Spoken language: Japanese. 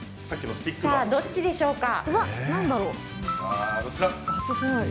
さあ、どっちでしょうか？